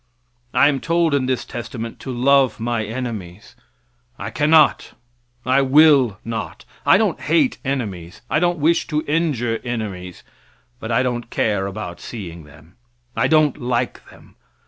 I am told in this testament to love my enemies. I cannot; I will not. I don't hate enemies; I don't wish to injure enemies, but I don't care about seeing them. I don't like them.